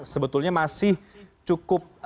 sebetulnya masih cukup